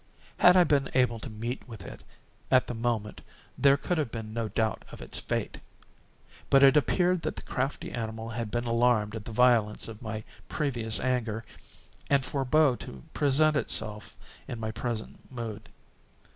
Had I been able to meet with it, at the moment, there could have been no doubt of its fate; but it appeared that the crafty animal had been alarmed at the violence of my previous anger, and forebore to present itself in my present mood.